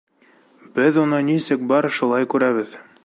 Беҙ уны нисек бар, шулай күрәбеҙ!